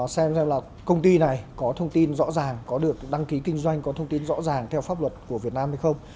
xem xem là công ty này có thông tin rõ ràng có được đăng ký kinh doanh có thông tin rõ ràng theo pháp luật của việt nam hay không